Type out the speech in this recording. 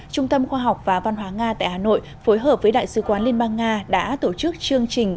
trung tâm khoa học và văn hóa nga tại hà nội phối hợp với đại sứ quán liên bang nga đã tổ chức chương trình